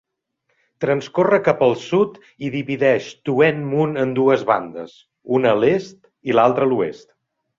Transcorre cap al sud i divideix Tuen Mun en dues bandes, una a l'est i l'altra a l'oest.